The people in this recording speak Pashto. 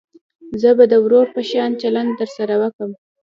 زه به د ورور په شان چلند درسره وکم.